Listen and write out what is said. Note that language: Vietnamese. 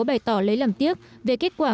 bày tỏ lấy làm tiếc về kết quả